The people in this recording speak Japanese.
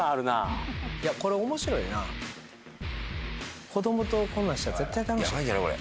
いやこれ面白いな子どもとこんなんしたら絶対楽しいやばいんじゃない？